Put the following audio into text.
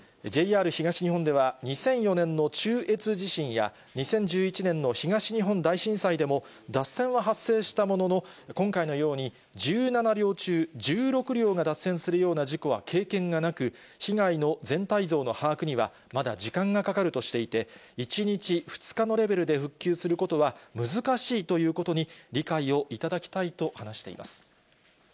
ＪＲ東日本では、２００４年の中越地震や、２０１１年の東日本大震災でも脱線は発生したものの、今回のように、１７両中１６両が脱線するような事故は経験がなく、被害の全体像の把握には、まだ時間がかかるとしていて、１日、２日のレベルで復旧することは難しいということに理解をいただきたいと話しています。